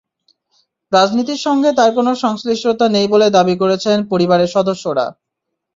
রাজনীতির সঙ্গে তাঁর কোনো সংশ্লিষ্টতা নেই বলে দাবি করেছেন পরিবারের সদস্যরা।